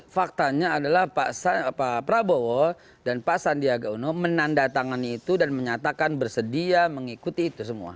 faktanya adalah pak prabowo dan pak sandiaga uno menandatangani itu dan menyatakan bersedia mengikuti itu semua